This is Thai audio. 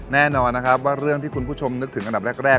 แน่นอนนะครับว่าเรื่องที่คุณผู้ชมนึกถึงอันดับแรก